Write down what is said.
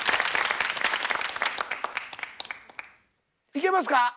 いけますか？